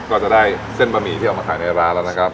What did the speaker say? ก็จะได้เส้นบะหมี่ที่เอามาขายในร้านแล้วนะครับ